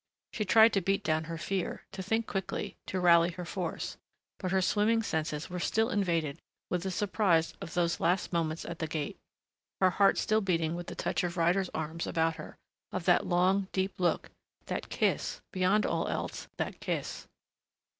She tried to beat down her fear, to think quickly, to rally her force, but her swimming senses were still invaded with the surprise of those last moments at the gate, her heart still beating with the touch of Ryder's arms about her ... of that long, deep look ... that kiss, beyond all else, that kiss....